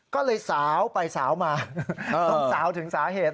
ก็เลยสาวไปสาวมาต้องสาวถึงสาเหตุ